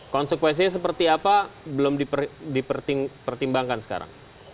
konsekuensinya seperti apa belum dipertimbangkan sekarang